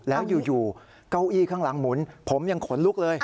แล้วอยู่เก้าอี้ข้างหลังหมุนผมยังขนลุกเลย